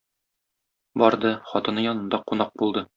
Барды, хатыны янында кунак булды.